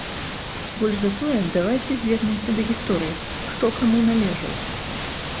Больш за тое, давайце звернемся да гісторыі, хто каму належаў?